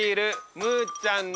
ムーちゃん？